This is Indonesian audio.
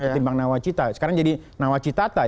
ketimbang nawacita sekarang jadi nawacitata